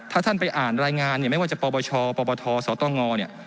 ถ้าท่านไปอ่านรายงานไม่ว่าจะปบชปบศตง